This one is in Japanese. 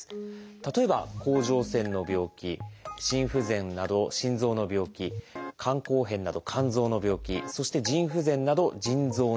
例えば甲状腺の病気心不全など心臓の病気肝硬変など肝臓の病気そして腎不全など腎臓の病気。